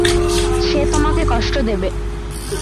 সে তোমাকে কষ্ট দেবে!